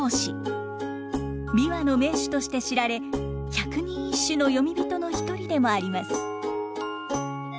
琵琶の名手として知られ百人一首の詠み人の一人でもあります。